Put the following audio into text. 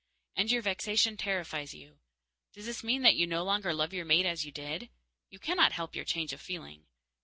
And your vexation terrifies you. Does this mean that you no longer love your mate as you did? You cannot help your change of feeling.